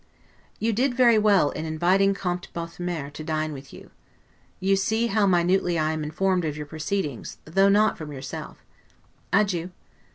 You did very well in inviting Comte Bothmar to dine with you. You see how minutely I am informed of your proceedings, though not from yourself. Adieu.